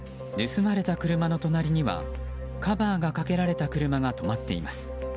盗まれた車の隣にはカバーがかけられた車が止まっています。